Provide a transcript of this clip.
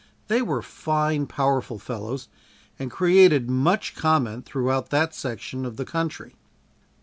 They were fine powerful fellows and created much comment throughout that section of the country.